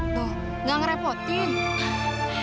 tuh gak ngerepotin